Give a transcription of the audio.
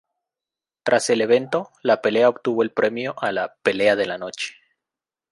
Tras el evento, la pelea obtuvo el premio a la "Pelea de la Noche".